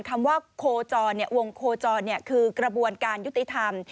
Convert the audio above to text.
คำว่าโคจรวงโคจรคือกระบวนการยุติธรรม